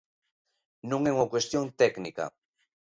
Non é unha cuestión técnica.